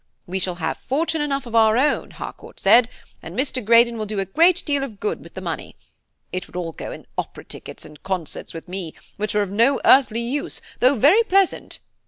'We shall have fortune enough of our own.' Harcourt said, 'and Mr. Greydon will do a great deal of good with the money. It would all go in opera tickets and concerts with me, which are of no earthly use, though very pleasant.'